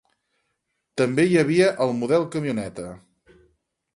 També hi havia el model camioneta.